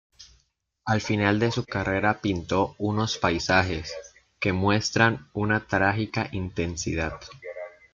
Al final de su carrera pintó unos paisajes, que muestran una trágica intensidad.